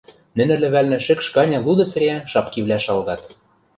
Нӹнӹ лӹвӓлнӹ шӹкш ганьы луды цӹреӓн шапкивлӓ шалгат